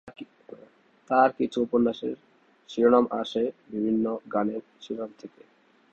তার কিছু উপন্যাসের শিরোনাম আসে বিভিন্ন গানের শিরোনাম থেকে।